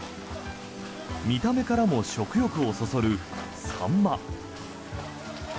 見た目からも食欲をそそるサンマ。